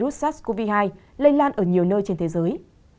nhiều dịch virus sars cov hai lây lan ở nhiều nơi trên thế giới